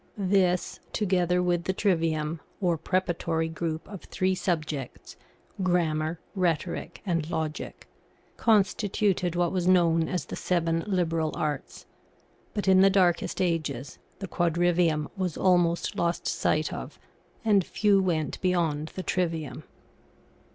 This, together with the trivium, or preparatory group of three subjects Grammar, Rhetoric, and Logic constituted what was known as the seven liberal arts; but, in the darkest ages, the quadrivium was almost lost sight of, and few went beyond the trivium.